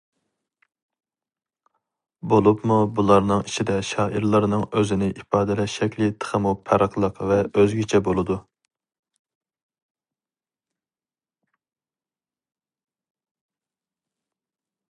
بولۇپمۇ بۇلارنىڭ ئىچىدە شائىرلارنىڭ ئۆزىنى ئىپادىلەش شەكلى تېخىمۇ پەرقلىق ۋە ئۆزگىچە بولىدۇ.